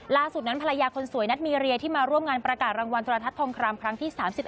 ล่าสุดนั้นภรรยาคนสวยนัทมีเรียที่มาร่วมงานประกาศรางวัลโทรทัศทองครามครั้งที่๓๑